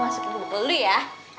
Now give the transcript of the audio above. aku masuk dulu dulu ya